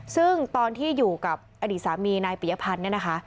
ซึ่งตอนที่อยู่กับอดีตสามีนายปิยพันธ์เนี่ยนะคะ